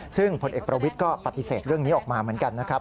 ซึ่งผลเอกประวิทย์ก็ปฏิเสธเรื่องนี้ออกมาเหมือนกันนะครับ